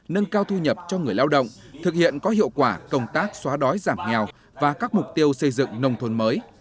nâng cao thu nhập cho người lao động thực hiện có hiệu quả công tác xóa đói giảm nghèo và các mục tiêu xây dựng nông thôn mới